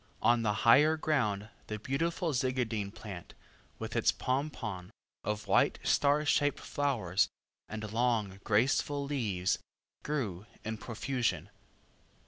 On the higher ground the beautiful Zygadene plant, with its pompon of white star shaped flowers, and long graceful leaves, grew in profusion.